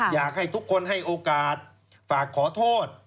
อยากให้ทุกคนให้โอกาสฝากขอโทษ